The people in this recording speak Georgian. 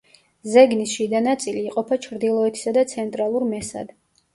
ზეგნის შიდა ნაწილი იყოფა ჩრდილოეთისა და ცენტრალურ მესად.